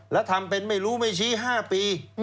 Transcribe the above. แล้วทำเป็นไม่รู้ไม่ชี้๕ปี